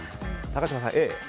高嶋さん、Ａ。